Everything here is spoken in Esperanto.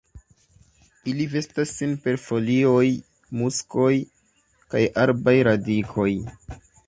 Ili vestas sin per folioj, muskoj kaj arbaj radikoj.